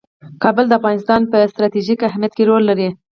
کابل د افغانستان په ستراتیژیک اهمیت کې رول لري.